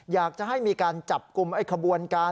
อยากจะให้มีการจับกลุ่มไอ้ขบวนการ